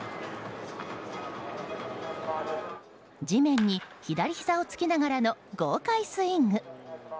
地面に左ひざをつきながらの豪快スイング。